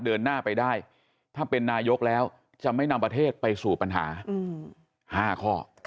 เดินหน้าไปได้ถ้าเป็นนายกแล้วจะไม่นำประเทศไปสู่ปัญหา๕ข้อ